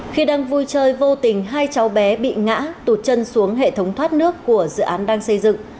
khi đang vui chơi vô tình hai cháu bé bị ngã tụt chân xuống hệ thống thoát nước của dự án đang xây dựng